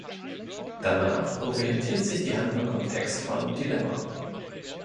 Danach orientiert sich die Handlung am Text von "Dilemma".